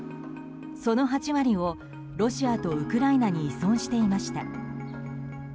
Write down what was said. その８割をロシアとウクライナに依存していました。